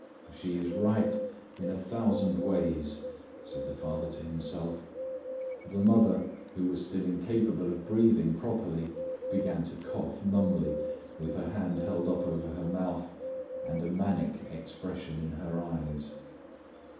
"She is right in a thousand ways," said the father to himself. The mother, who was still incapable of breathing properly, began to cough numbly with her hand held up over her mouth and a manic expression in her eyes.